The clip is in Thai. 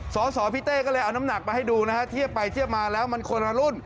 สสพี่เต้ก็เลยเอาน้ำหนักมาให้ดูนะฮะเทียบไปเทียบมาแล้วมันคนละรุ่น